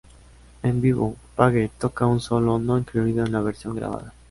En vivo, Page toca un solo no incluido en la versión grabada.